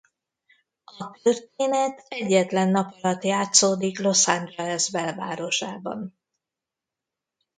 A történet egyetlen nap alatt játszódik Los Angeles belvárosában.